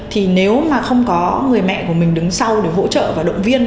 thì nếu mà không có người mẹ của mình đứng sau để hỗ trợ và động viên